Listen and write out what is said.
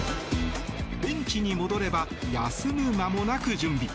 ベンチに戻れば休む間もなく準備。